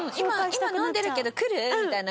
今飲んでるけど来る？みたいな感じで。